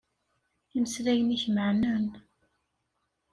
Imeslayen-ik meɛnen.